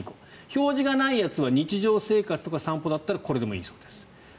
表示がないやつは日常生活とか散歩だったらこれでもいいそうです。